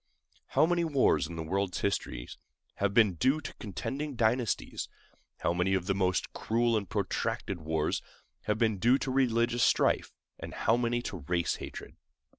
How many wars in the world's history have been due to contending dynasties; how many of the most cruel and protracted wars have been due to religious strife; how many to race hatred!